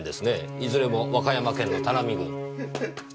いずれも和歌山県の田波郡。